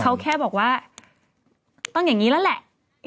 เขาแค่บอกว่าต้องอย่างนี้แล้วแหละ